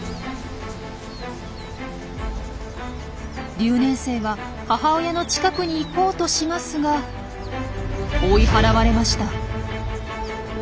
留年生は母親の近くに行こうとしますが追い払われました。